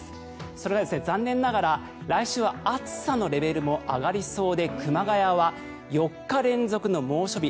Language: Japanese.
それは残念ながら来週は暑さのレベルも上がりそうで熊谷は４日連続の猛暑日。